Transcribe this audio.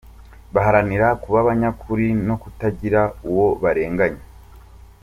Baharanira kuba abanyakuri no kutagira uwo barenganya.